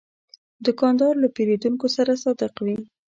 دوکاندار له پیرودونکو سره صادق وي.